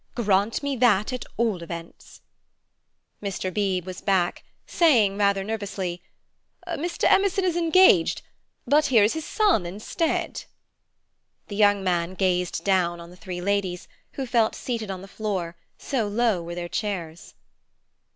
Grant me that, at all events." Mr. Beebe was back, saying rather nervously: "Mr. Emerson is engaged, but here is his son instead." The young man gazed down on the three ladies, who felt seated on the floor, so low were their chairs.